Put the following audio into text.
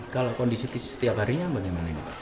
kalau kondisi setiap harinya bagaimana ini